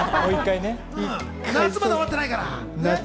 夏まだ終わってないから。